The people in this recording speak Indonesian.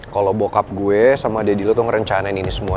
kalau bokap gue sama deddy lo tuh ngerencanain ini semua